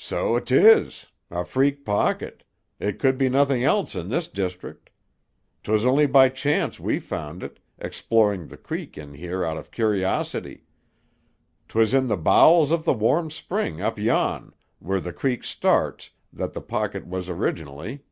"So it is. A freak pocket. It could be nothing else in this district. 'Twas only by chance we found it, exploring the creek in here out of curiosity. 'Twas in the bowels of the warm spring up yon, where the creek starts, that the pocket was originally.